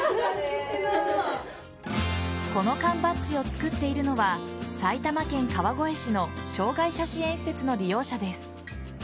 この缶バッジを作っているのは埼玉県川越市の障害者支援施設の利用者です。